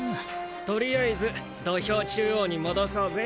とりあえず土俵中央に戻そうぜ。